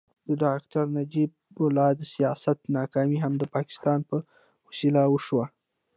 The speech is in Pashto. د ډاکټر نجیب الله د سیاست ناکامي هم د پاکستان په وسیله وشوه.